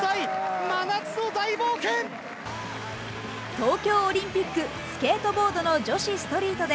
東京オリンピックスケートボードの女子ストリートで